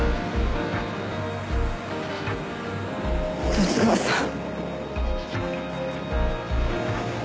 十津川さん。